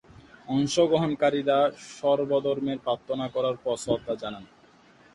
অংশগ্রহণকারীরা সর্ব-ধর্মের প্রার্থনা করার পর শ্রদ্ধা জানান।